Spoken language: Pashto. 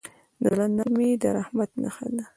د زړه نرمي د رحمت نښه ده.